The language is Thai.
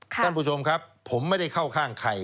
ท่านผู้ชมครับผมไม่ได้เข้าข้างใคร